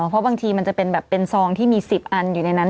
เพราะบางทีมันจะเป็นแบบเป็นซองที่มี๑๐อันอยู่ในนั้น